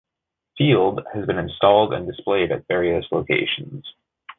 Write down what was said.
"Field" has been installed and displayed at various locations.